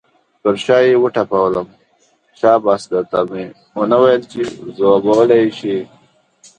پر شا یې وټپلم، شاباس در ته مې نه ویل چې ځوابولی یې شې.